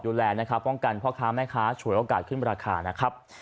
ดูแลนะครับป้องกันพ่อค้าแม่ค้าฉวยโอกาสขึ้นราคานะครับ